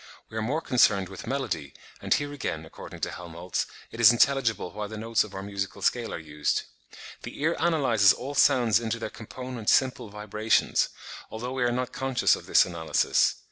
We are more concerned with melody, and here again, according to Helmholtz, it is intelligible why the notes of our musical scale are used. The ear analyses all sounds into their component "simple vibrations," although we are not conscious of this analysis.